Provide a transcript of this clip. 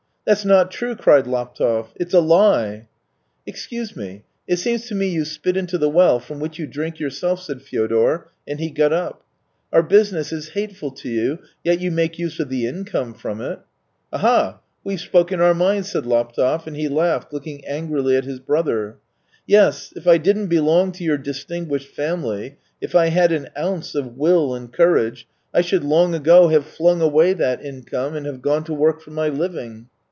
" That's not true," cried Laptev. " It's a lie !"" Excuse me, it seems to me you spit into the well from which you drink yourself," said Fyodor, and he got up. " Our business is hateful to you, yet you make use of the income from it." " Aha ! We've spoken our minds," said Laptev, and he laughed, looking angrily at his brother. " Yes, if I didn't belong to your distinguished family — if I had an ounce of will and courage, I should long ago have flung away that income, and have gone to work for my living.